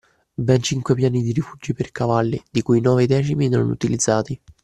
Ben cinque piani di rifugi per cavalli, di cui i nove decimi non utilizzati